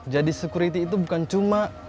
jadi security itu bukan cuma